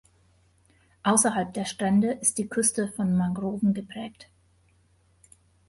Außerhalb der Strände ist die Küste von Mangroven geprägt.